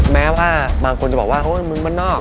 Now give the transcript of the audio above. แม้ว่าบางคนจะบอกว่าโอ๊ยมึงบ้านนอก